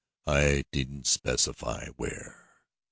I needn't specify where.